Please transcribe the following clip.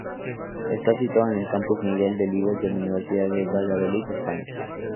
Está situado en el Campus Miguel Delibes de la Universidad de Valladolid, España.